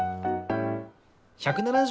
１７０！